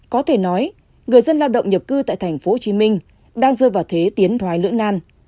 có thể nói người dân lao động nhập cư tại tp hcm đang rơi vào thế tiến thoái lưỡng nan